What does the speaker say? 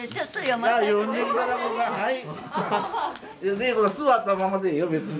レイコさん座ったままでいいよ別に。